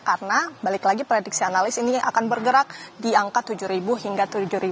karena balik lagi prediksi analis ini akan bergerak di angka tujuh hingga tujuh seratus